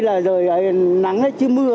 đây là nắng chứ mưa